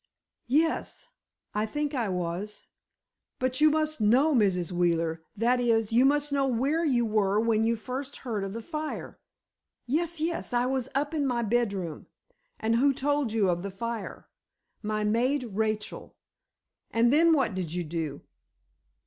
"Yes—I think I was——" "But you must know, Mrs. Wheeler—that is, you must know where you were when you first heard of the fire——" "Yes, yes; I was up in my bedroom." "And who told you of the fire?" "My maid—Rachel." "And then what did you do?"